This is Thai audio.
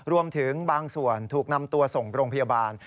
รวมถึงบางส่วนถูกนำตัวส่งโรงพยาบาล